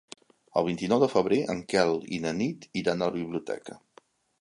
El vint-i-nou de febrer en Quel i na Nit iran a la biblioteca.